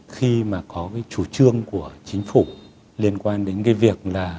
khi mà có cái chủ trương của chính phủ liên quan đến cái việc là